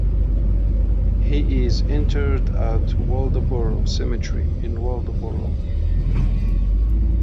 He is interred at Waldoboro Cemetery in Waldoboro.